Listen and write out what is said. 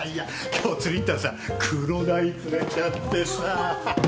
今日釣り行ったらさ黒だい釣れちゃってさははっ。